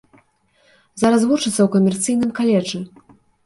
Зараз вучыцца ў камерцыйным каледжы.